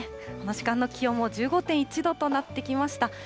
この時間の気温も１５．１度となってきました。